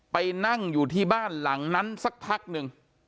ไปนั่งอยู่ที่บ้านหลังนั้นสักพักหนึ่ง